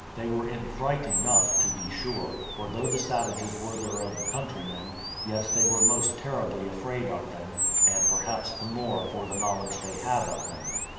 These were in fright enough, to be sure; for though the savages were their own countrymen, yet they were most terribly afraid of them, and perhaps the more for the knowledge they had of them.